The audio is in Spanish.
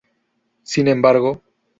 Sin embargo.